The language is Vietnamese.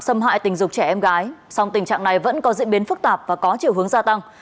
xâm hại tình dục trẻ em gái song tình trạng này vẫn có diễn biến phức tạp và có chiều hướng gia tăng